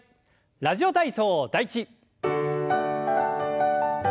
「ラジオ体操第１」。